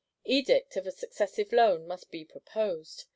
Edict of a Successive Loan must be proposed.